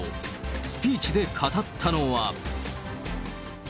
スピーチで語ったのは。